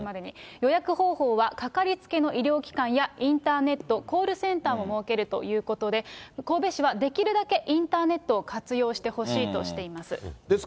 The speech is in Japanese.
予約方法は掛かりつけの医療機関やインターネット、コールセンターも設けるということで、神戸市はできるだけインターネットを活用してほしいとしています。